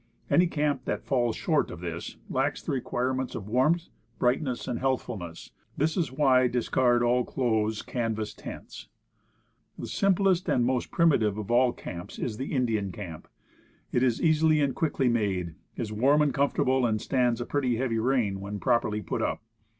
Any camp that falls short of this, lacks the requirements of warmth, brightness and healthfulness. This is why I discard all close, canvas tents. The simplest and most primitive of all camps is the "Indian camp." It is easily and quickly made; is warm and comfortable, and stands a pretty heavy rain when properly put up.